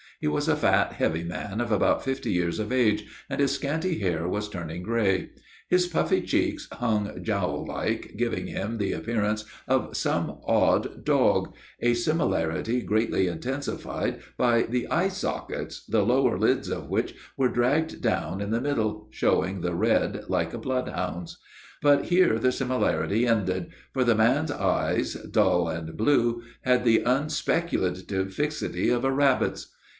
He was a fat, heavy man of about fifty years of age, and his scanty hair was turning grey. His puffy cheeks hung jowl like, giving him the appearance of some odd dog a similarity greatly intensified by the eye sockets, the lower lids of which were dragged down in the middle, showing the red like a bloodhound's; but here the similarity ended, for the man's eyes, dull and blue, had the unspeculative fixity of a rabbit's.